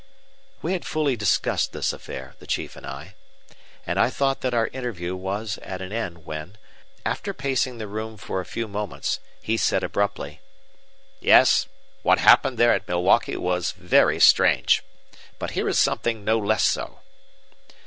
We had fully discussed this affair, the chief and I; and I thought that our interview was at an end, when, after pacing the room for a few moments, he said abruptly, "Yes, what happened there at Milwaukee was very strange. But here is something no less so!"